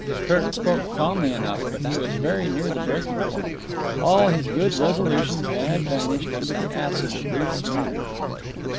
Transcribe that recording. Kirk spoke calmly enough, but he was very near the breaking point. All his good resolutions had vanished under the acid of Ruth's manner.